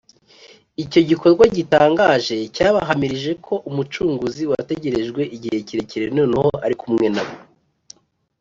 icyo gikorwa gitangaje cyabahamirije ko umucunguzi wategerejwe igihe kirekire noneho ari kumwe na bo